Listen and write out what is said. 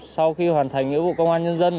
sau khi hoàn thành nghĩa vụ công an nhân dân